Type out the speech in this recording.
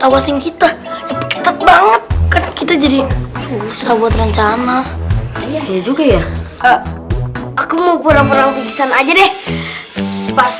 awasin kita kita jadi susah buat rencana ya juga ya aku mau purang purang pikisan aja deh sepas